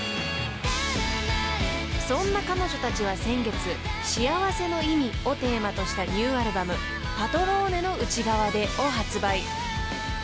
［そんな彼女たちは先月幸せの意味をテーマとしたニューアルバム『パトローネの内側で』を発売］